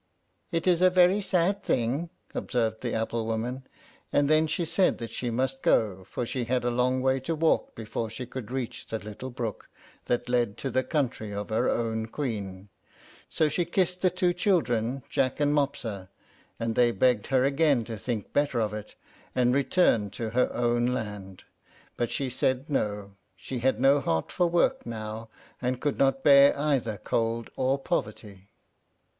"It is a very sad thing," observed the apple woman; and then she said that she must go, for she had a long way to walk before she should reach the little brook that led to the country of her own queen; so she kissed the two children, Jack and Mopsa, and they begged her again to think better of it, and return to her own land. But she said No; she had no heart for work now, and could not bear either cold or poverty.